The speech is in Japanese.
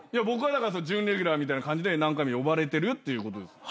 僕はだから準レギュラーみたいな感じで何回も呼ばれてるっていうことです。